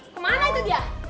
kemana itu dia